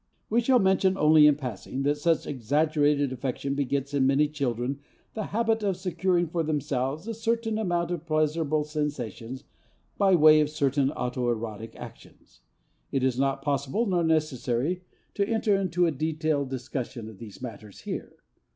We shall mention only in passing that such exaggerated affection begets in many children the habit of securing for themselves a certain amount of pleasurable sensations by way of certain auto erotic actions. It is not possible, nor necessary, to enter into a detailed discussion of these matters here.